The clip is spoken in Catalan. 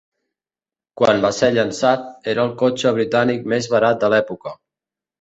Quan va ser llançat, era el cotxe britànic més barat de l'època.